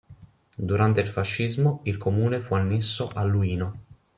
Durante il fascismo il comune fu annesso a Luino.